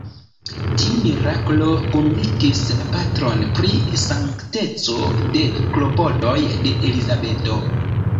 Tiu miraklo konvinkis la patron pri sankteco de klopodoj de Elizabeto.